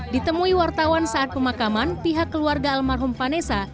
ditemui wartawan saat pemakaman pihak keluarga almarhum vanessa